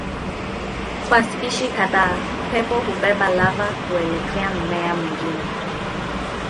Kwa spishi kadhaa upepo hubeba lava kuelekea mmea mwingine.